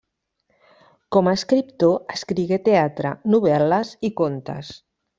Com a escriptor escrigué teatre, novel·les i contes.